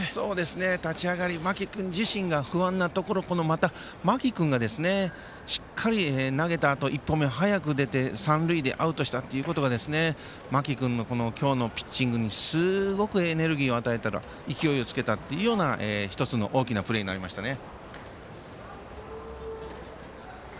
立ち上がり、間木君自身が不安なところ、また間木君がしっかり投げたあと１歩目を早く出て三塁でアウトしたってことが間木君の今日のピッチングにエネルギーを与えた勢いをつけたというような１つの大きなプレーになりましたね。